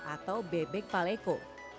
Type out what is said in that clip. atau bebek paleko